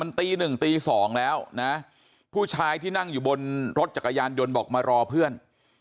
ตีหนึ่งตีสองแล้วนะผู้ชายที่นั่งอยู่บนรถจักรยานยนต์บอกมารอเพื่อน